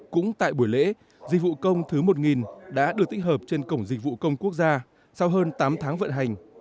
cũng tại buổi lễ dịch vụ công thứ một đã được tích hợp trên cổng dịch vụ công quốc gia sau hơn tám tháng vận hành